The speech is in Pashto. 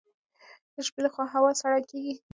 د شپې لخوا هوا سړه کیږي.